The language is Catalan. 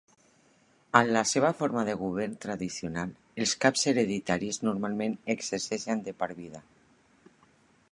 En la seva forma de govern tradicional, els caps hereditaris normalment exercien de per vida.